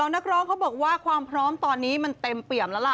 นักร้องเขาบอกว่าความพร้อมตอนนี้มันเต็มเปี่ยมแล้วล่ะ